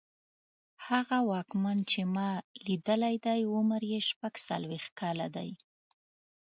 هغه واکمن چې ما لیدلی دی عمر یې شپږڅلوېښت کاله دی.